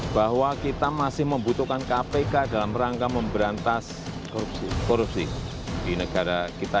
bahwa kita masih membutuhkan kpk dalam rangka memberantas korupsi di negara kita